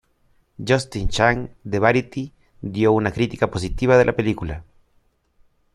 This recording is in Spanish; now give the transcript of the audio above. Justin Chang de Variety dio una crítica positiva de la película.